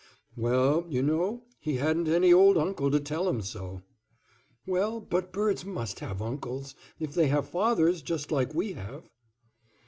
"Well, you know, he hadn't any old uncle to tell him so." "Well, but birds must have uncles, if they have fathers just like we have."